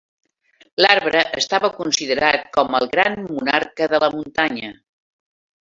L'arbre estava considerat com el "gran monarca de la muntanya".